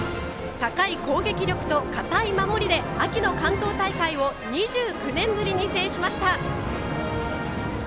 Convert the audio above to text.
高い攻撃力と堅い守りで秋の関東大会を２９年ぶりに制しました。